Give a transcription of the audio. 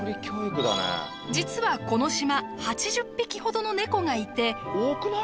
実はこの島８０匹ほどのネコがいて。